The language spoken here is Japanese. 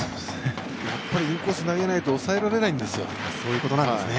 やっぱりインコース投げないとおさえられないんですよ。